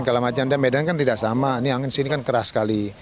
kalau macam macam bedanya kan tidak sama ini angin sini kan keras sekali